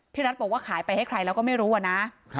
รัฐบอกว่าขายไปให้ใครแล้วก็ไม่รู้อะนะ